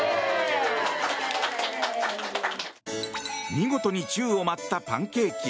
見事に宙を舞ったパンケーキ。